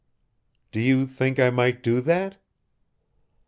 "Do you think I might do that?"